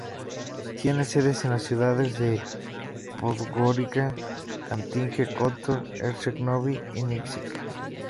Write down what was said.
Tiene sedes en las ciudades de Podgorica, Cetinje, Kotor, Herceg Novi y Nikšić.